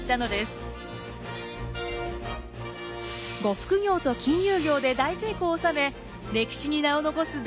呉服業と金融業で大成功を収め歴史に名を残す大商人となった高利。